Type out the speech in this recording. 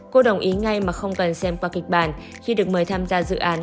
cô đồng ý ngay mà không cần xem qua kịch bản khi được mời tham gia dự án